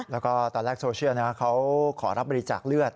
แล้วก็ตอนแรกโซเชียลเขาขอรับบริจาคเลือด